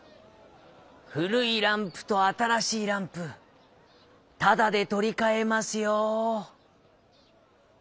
「ふるいランプとあたらしいランプただでとりかえますよ」。